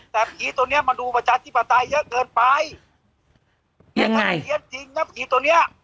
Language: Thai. แต่ผีตัวเนี้ยมาดูประชาธิปไตยเยอะเกินไปเี้ยนจริงนะผีตัวเนี้ย